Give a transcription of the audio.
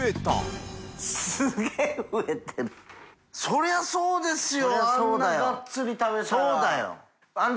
そりゃそうだよ。